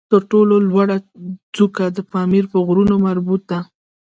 تر ټولو لوړه څوکه د پامیر د غرونو مربوط ده